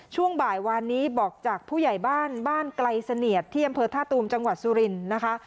ช่วงบ่ายวานนี้บอกจากผู้ใหญ่บ้านบ้านไกลเสนียดที่อำเภอท่าตูมจังหวัดสุรินทร์นะคะ